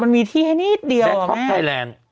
มันมีที่ให้นิดเดียวอะแม่